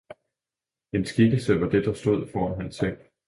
en skikkelse var det, der stod foran hans seng.